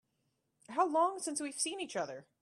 How long since we've seen each other?